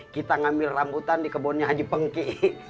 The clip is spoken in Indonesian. kita ngambil rambutan di kebunnya haji pengki